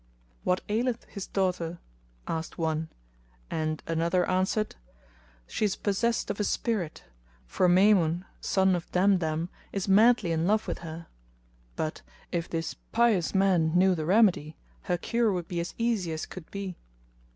"What aileth his daughter?" asked one, and another answered "She is possessed of a spirit; for Maymun, son of Damdam, is madly in love with her; but, if this pious man knew the remedy, her cure would be as easy as could be."